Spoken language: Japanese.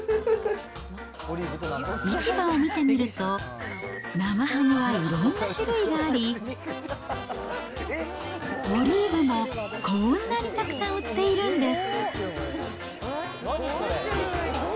市場を見てみると、生ハムもいろんな種類があり、オリーブもこんなにたくさん売っているんです。